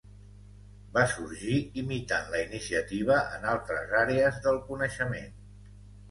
Va sorgir imitant la iniciativa en altres àrees del coneixement.